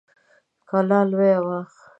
کلا لويه وه.